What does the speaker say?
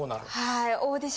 はい。